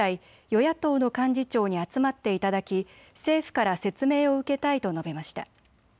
与野党の幹事長に集まっていただき政府から説明を受けたいと述べました。